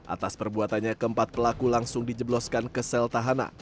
atas perbuatannya keempat pelaku langsung dijebloskan ke sel tahanan